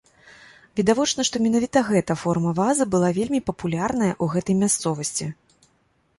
Відавочна, што менавіта гэта форма вазы была вельмі папулярная ў гэтай мясцовасці.